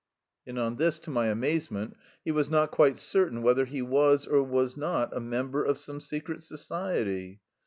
And on this, to my amazement, he was not quite certain whether he was or was not a member of some secret society.